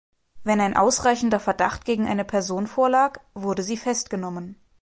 Wenn ein ausreichender Verdacht gegen eine Person vorlag, wurde sie festgenommen.